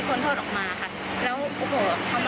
ทั้งอาหารการกินยาการดูแลก็คือนักทูตก็ต้องดูแลกันเองค่ะ